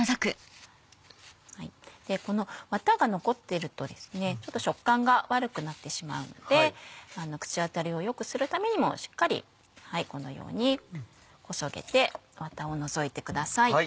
このワタが残ってるとちょっと食感が悪くなってしまうので口当たりを良くするためにもしっかりこのようにこそげてワタを除いてください。